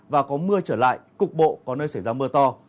và có mưa trở lại cục bộ có nơi xảy ra mưa to